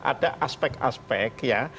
ada aspek aspek ya